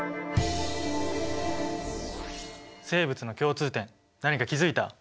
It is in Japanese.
生物の共通点何か気付いた？